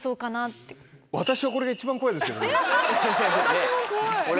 私も怖い。